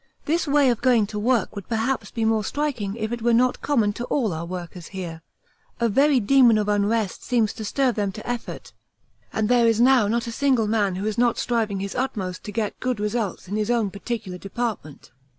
This way of going to work would perhaps be more striking if it were not common to all our workers here; a very demon of unrest seems to stir them to effort and there is now not a single man who is not striving his utmost to get good results in his own particular department.